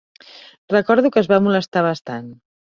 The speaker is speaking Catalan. Recordo que es va molestar bastant.